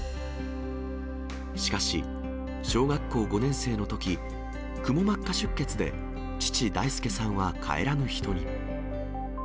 しかし、小学校５年生のとき、くも膜下出血で父、大輔さんは帰らぬ人に。